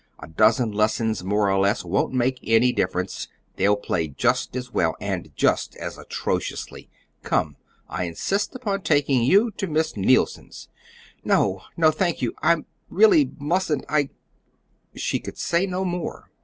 A dozen lessons, more or less, won't make any difference; they'll play just as well and just as atrociously. Come, I insist upon taking you to Miss Neilson's." "No, no, thank you! I really mustn't. I " She could say no more.